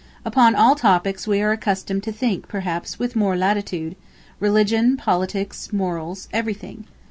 Upon all topics we are accustomed to think, perhaps, with more latitude, religion, politics, morals, everything.